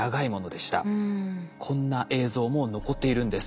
こんな映像も残っているんです。